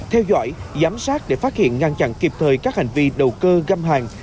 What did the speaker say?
theo dõi giám sát để phát hiện ngăn chặn kịp thời các hành vi đầu cơ găm hàng